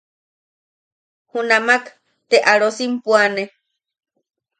Junamak te arosim puane.